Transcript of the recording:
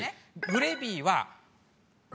グレビーは。